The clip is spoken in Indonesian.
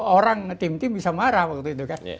orang tim tim bisa marah waktu itu kan